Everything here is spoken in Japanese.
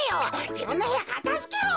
じぶんのへやかたづけろ。